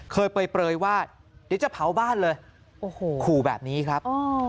เปลยว่าเดี๋ยวจะเผาบ้านเลยโอ้โหขู่แบบนี้ครับ